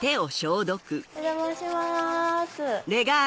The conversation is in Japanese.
お邪魔します。